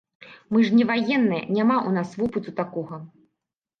Мы ж не ваенныя, няма ў нас вопыту такога!